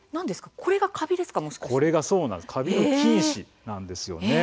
これがカビの菌糸なんです。